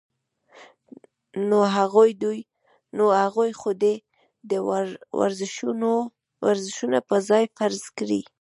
نو هغوي خو دې دا ورزشونه پۀ ځان فرض کړي -